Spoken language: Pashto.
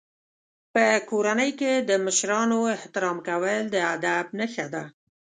په کورنۍ کې د مشرانو احترام کول د ادب نښه ده.